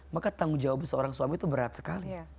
maka tanggung jawab seorang suami itu berat sekali